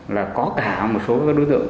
là có cả một số đối tượng